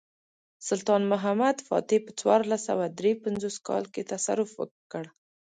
سلطان محمد فاتح په څوارلس سوه درې پنځوس کال کې تصرف کړ.